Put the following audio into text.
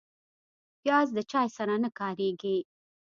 پیاز د چای سره نه کارېږي